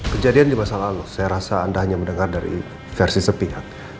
kejadian di masa lalu saya rasa anda hanya mendengar dari versi sepihak